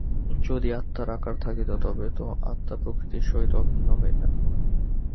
যদি আত্মার আকার থাকিত, তবে তো আত্মা প্রকৃতির সহিত অভিন্ন হইতেন।